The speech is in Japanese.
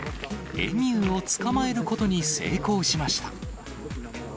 エミューを捕まえることに成功しました。